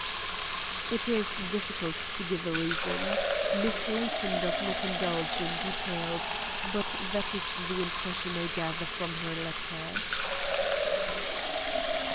"It is difficult to give a reason. Miss Layton does not indulge in details, but that is the impression I gather from her letters."